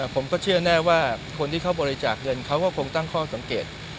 ผมก็เชื่อแน่ว่าคนที่เขาบริจาคเงินเขาก็คงตั้งข้อสังเกต